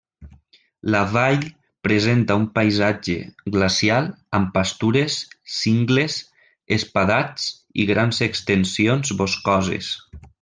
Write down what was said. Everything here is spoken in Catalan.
La vall presenta un paisatge glacial, amb pastures, cingles, espadats i grans extensions boscoses.